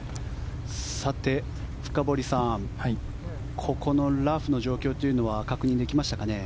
さて、深堀さんここのラフの状況というのは確認できましたかね。